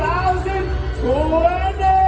อัลเมนโดอัฟเตอร์